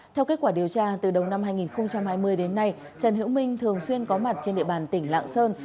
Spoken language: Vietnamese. theo kết quả điều tra từ đầu năm hai nghìn hai mươi đến nay trần hiễu minh thường xuyên có mặt trên địa bàn tỉnh lạng sơn